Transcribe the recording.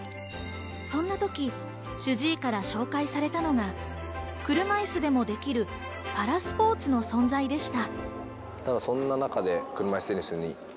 そんな時、主治医から紹介されたのが、車いすでもできるパラスポーツの存在でした。